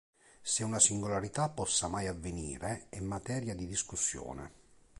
Se una singolarità possa mai avvenire, è materia di discussione.